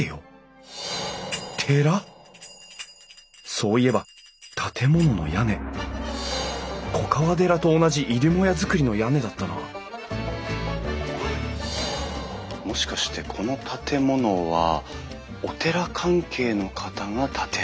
そういえば建物の屋根粉河寺と同じ入り母屋造りの屋根だったなもしかしてこの建物はお寺関係の方が建てられた？